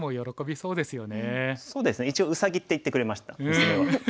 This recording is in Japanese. そうですね一応うさぎって言ってくれました娘は。